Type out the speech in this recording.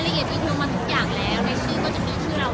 อ๋อแล้วเราก็จะช่องความหล่อของพี่ต้องการอันนี้นะครับ